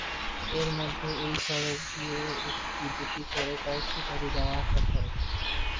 এর মধ্যে ওই সড়ক দিয়ে একটি দুটি করে কয়েকটি গাড়ি যাওয়া-আসা করে।